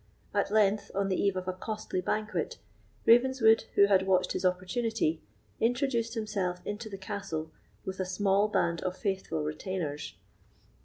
At length, on the eve of a costly banquet, Ravenswood, who had watched his opportunity, introduced himself into the castle with a small band of faithful retainers.